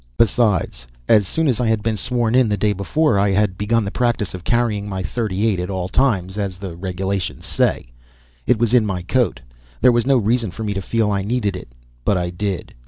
Besides, as soon as I had been sworn in, the day before, I had begun the practice of carrying my .38 at all times, as the regulations say. It was in my coat. There was no reason for me to feel I needed it. But I did.